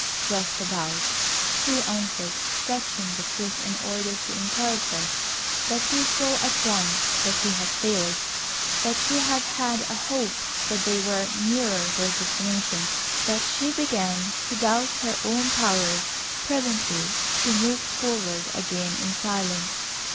"Just about," he answered, stretching truth in order to encourage her. But he saw at once that he had failed,—that she had had a hope that they were nearer their destination—that she began to doubt her own powers. Presently she moved forward again in silence.